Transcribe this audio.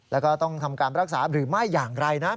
แล้วก็ต้องทำการรักษาหรือไม่อย่างไรนะ